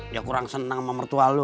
dia kurang senang sama mertua lu